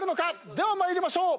では参りましょう。